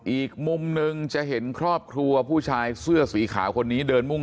อีกมุมหนึ่งจะเห็นครอบครัวผู้ชายเสื้อสีขาวคนนี้เดินมุ่ง